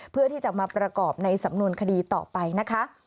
เพื่อที่จะมาประกอบในสำนวนคดีต่อไปนะคะ